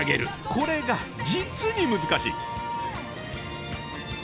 これが実に難しい！